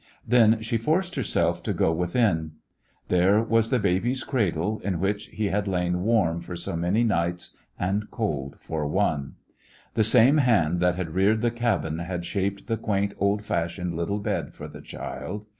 Then she forced herself to go with The West Was Young in. There was the baby's cradle, m which he had lain warm for so many nights and cold for one. The same hand that had reared the cabin had shaped the quaint, old fashioned little bed for the child.